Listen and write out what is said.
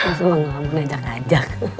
oh langsung ngelamun ajak ajak